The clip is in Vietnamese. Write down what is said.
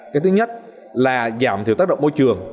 cái thứ nhất là giảm thiểu tác động môi trường